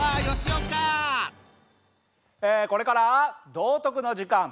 えこれから道徳の時間。